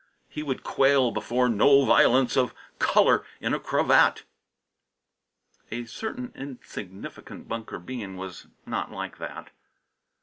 He would quail before no violence of colour in a cravat. A certain insignificant Bunker Bean was not like this.